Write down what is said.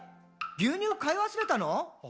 牛乳買い忘れたの？」